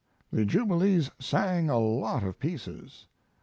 The jubilees sang a lot of pieces.